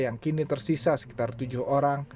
yang kini tersisa sekitar tujuh orang